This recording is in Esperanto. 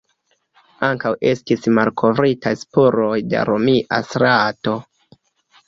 Ankaŭ estis malkovritaj spuroj de romia strato.